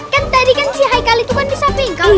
kan tadi kan si haikal itu kan di samping kau kan